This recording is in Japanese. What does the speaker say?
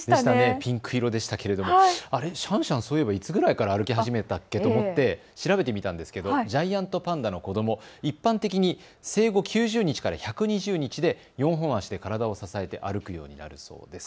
ピンク色でしたけれどもシャンシャン、そういえばいつぐらいから歩き始めたっけと思って調べてみたんですけれどもジャイアントパンダの子ども、一般的に生後９０日から１００日ほどで４足で体を支えて歩くようになるそうです。